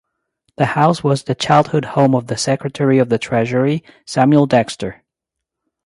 The house was the childhood home of the Secretary of the Treasury Samuel Dexter.